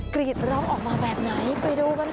กรีดร้องออกมาแบบไหนไปดูกันค่ะ